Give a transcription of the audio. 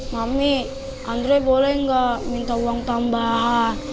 mami andre boleh gak minta uang tambahan